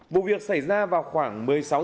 vụ việc xảy ra vào khoảng